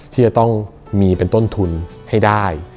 ที่จะต้องมีเป็นต้นทุนให้ได้